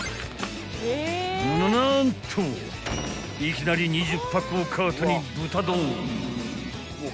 ［な何といきなり２０パックをカートに豚ドーン］